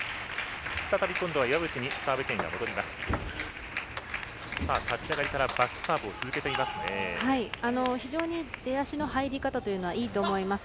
再び岩渕にサーブ権が戻ります。